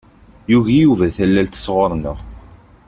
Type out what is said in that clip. Yugi Yuba tallalt sɣur-neɣ.